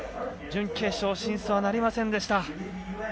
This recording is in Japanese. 準決勝進出はなりませんでした。